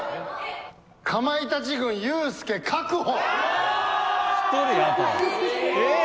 かまいたち軍、ユースケ確保。